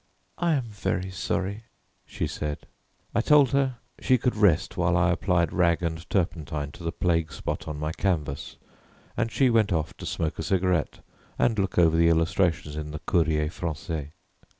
"I am very sorry," she said. I told her she could rest while I applied rag and turpentine to the plague spot on my canvas, and she went off to smoke a cigarette and look over the illustrations in the Courrier Français.